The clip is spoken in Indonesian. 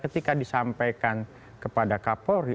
ketika disampaikan kepada kapolri